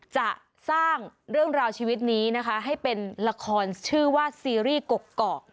จะสร้างเรื่องราวชีวิตนี้นะคะให้เป็นละครชื่อว่าซีรีส์กกอก